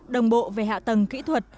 đồng bộ về hạ tầng kỹ thuật